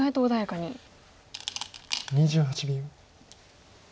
２８秒。